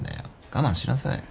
我慢しなさい。